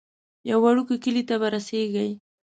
یو وړوکی کلی ته به رسیږئ.